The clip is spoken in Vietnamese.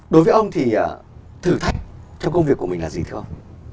đối với ông thì thử thách trong công việc của mình là gì thưa ông